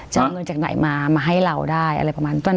จะเอาเงินจากไหนมามาให้เราได้อะไรประมาณนั้น